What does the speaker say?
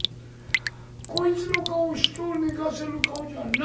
こいつの顔人を寝かせる顔じゃないよ。